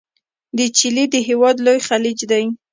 د چیلي د هیواد لوی خلیج دی.